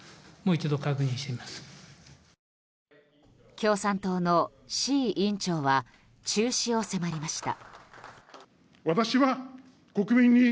共産党の志位委員長は中止を迫りました。